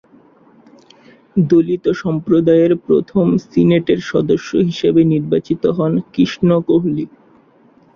দলিত সম্প্রদায়ের প্রথম সিনেটের সদস্য হিসেবে নির্বাচিত হন, কৃষ্ণ কোহলি।